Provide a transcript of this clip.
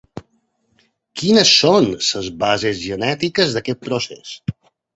Quines són les bases genètiques d’aquest procés?